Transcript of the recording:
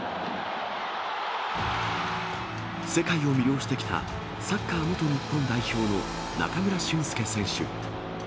世界を魅了してきたサッカー元日本代表の中村俊輔選手。